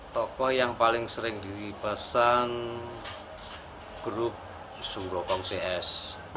tokoh yang paling sering dibesan grup sunggokong cs